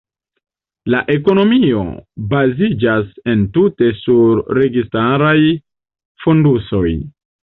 La ekonomio baziĝas entute sur registaraj fondusoj.